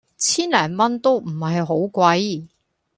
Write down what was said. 千零蚊都唔係好貴